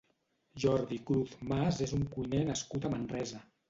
Jordi Cruz Mas és un cuiner nascut a Manresa.